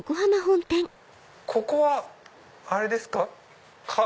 ここはあれですか？